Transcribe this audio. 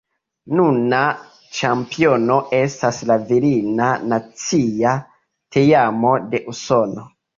Nuna ĉampiono estas la virina nacia teamo de Usono.